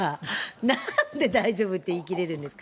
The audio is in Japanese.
なんで大丈夫って言いきれるんですか。